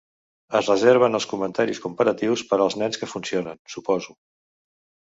Es reserven els comentaris comparatius per als nens que funcionen, suposo.